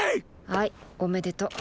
はいおめでとう。